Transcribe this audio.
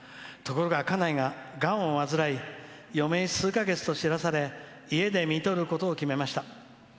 ところが家内が、がんを患い余命数か月と知らされ家でみとることを決めました。